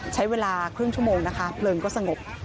ใช้เวลาครึ่งชั่วโมงนะคะเพลิงก็สงบ